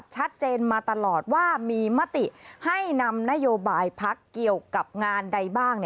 ชัดเจนมาตลอดว่ามีมติให้นำนโยบายพักเกี่ยวกับงานใดบ้าง